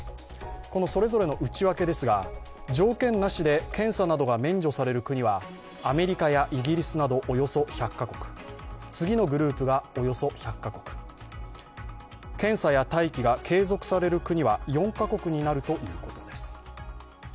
それぞれの内訳ですが、条件なしで検査などが免除される国はアメリカやイギリスなどおよそ１００カ国、次のグループがおよそ１００カ国、検査や待機が継続される国は４カ国になるということです。